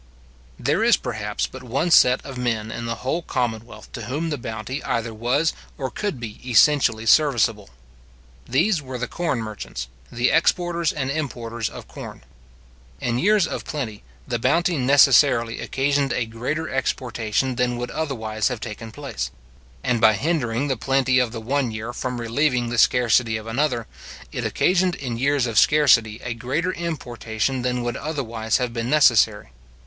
There is, perhaps, but one set of men in the whole commonwealth to whom the bounty either was or could be essentially serviceable. These were the corn merchants, the exporters and importers of corn. In years of plenty, the bounty necessarily occasioned a greater exportation than would otherwise have taken place; and by hindering the plenty of the one year from relieving the scarcity of another, it occasioned in years of scarcity a greater importation than would otherwise have been necessary.